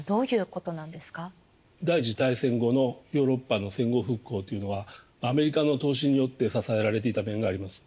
第一次大戦後のヨーロッパの戦後復興というのはアメリカの投資によって支えられていた面があります。